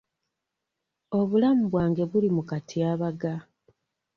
Obulamu bwange buli mu katyabaga.